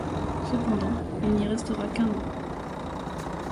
Cependant, il n'y restera qu'un an.